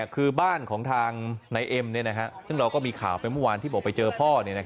คือบ้านของทางนายเอ็มซึ่งเราก็มีข่าวไปเมื่อวานที่บอกไปเจอพ่อ